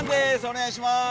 お願いします。